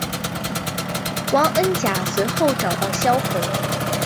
汪恩甲随后找到萧红。